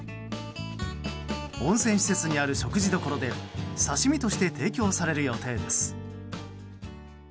温泉施設にある食事処では刺し身として提供される予定です。